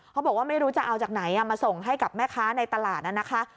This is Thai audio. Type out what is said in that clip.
เขาบอกว่าไม่รู้จะเอาจากไหนมาส่งให้กับแม่ค้าในตลาดน่ะนะคะ